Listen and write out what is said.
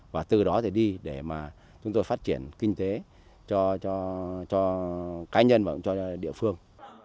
và từ đó thì đi để mà chúng tôi phát triển kinh tế cho cá nhân và cũng cho địa phương